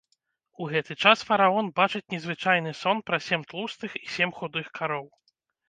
У гэты час фараон бачыць незвычайны сон пра сем тлустых і сем худых кароў.